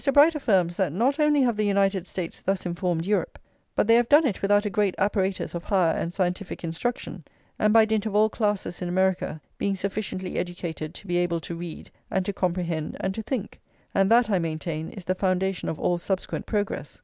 Bright affirms that, not only have the United States thus informed Europe, but they have done it without a great apparatus of higher and scientific instruction, and by dint of all classes in America being "sufficiently educated to be able to read, and to comprehend, and to think; and that, I maintain, is the foundation of all subsequent progress."